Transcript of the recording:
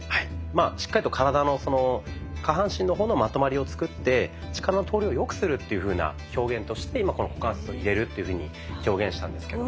しっかりと体の下半身の方のまとまりを作って力の通りを良くするというふうな表現として今この「股関節を入れる」っていうふうに表現したんですけども。